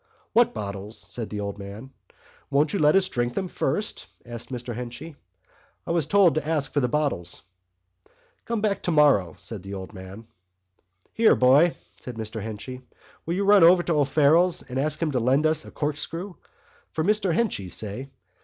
"What bottles?" said the old man. "Won't you let us drink them first?" said Mr Henchy. "I was told to ask for the bottles." "Come back tomorrow," said the old man. "Here, boy!" said Mr Henchy, "will you run over to O'Farrell's and ask him to lend us a corkscrew—for Mr Henchy, say.